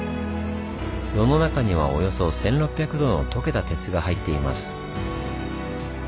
炉の中にはおよそ１，６００度のとけた鉄が入っています。